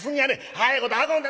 早いこと運んで。